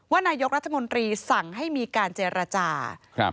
ว่านายกรัฐมนตรีสั่งให้มีการเจรจา